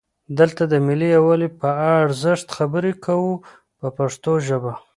دلته د ملي یووالي په ارزښت خبرې کوو په پښتو ژبه.